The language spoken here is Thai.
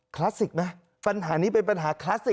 คลาสสิกไหมปัญหานี้เป็นปัญหาคลาสสิก